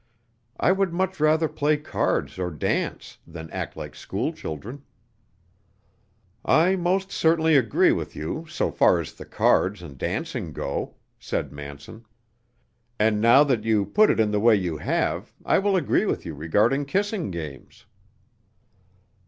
I would much rather play cards or dance than act like school children." "I most certainly agree with you, so far as the cards and dancing go," said Manson, "and now that you put it in the way you have, I will agree with you regarding kissing games."